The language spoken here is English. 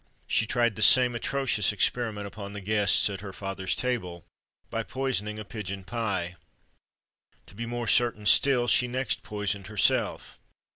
She tried the same atrocious experiment upon the guests at her father's table, by poisoning a pigeon pie! To be more certain still, she next poisoned herself!